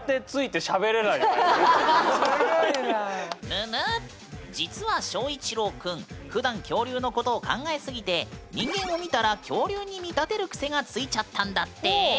ぬぬっ実は翔一郎くんふだん恐竜のことを考えすぎて人間を見たら恐竜に見立てる癖がついちゃったんだって。